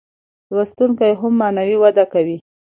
لوستونکی هم معنوي وده کوي.